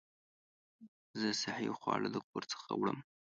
زه صحي خواړه د کور څخه وړم.